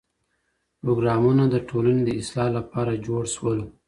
پروګرامونه د ټولني د اصلاح لپاره جوړ سول.